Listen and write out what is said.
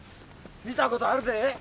見たことあるで。